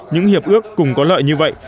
những hiệp ước cùng có lợi như vậy